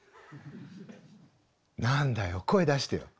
何だよ声出してよ。